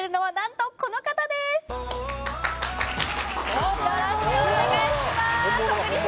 よろしくお願いします